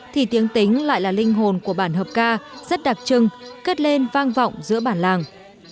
thì tiếng tính lại là linh hồn của bản hợp ca rất đặc trưng kết lên vang vọng giữa bản làng